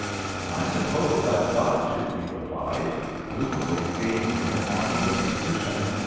"I suppose I've got to," he replied, ruefully gazing upon the ruined cushion.